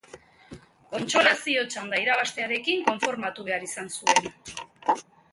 Kontsolazio txanda irabaztearekin konformatu behar izan zuen.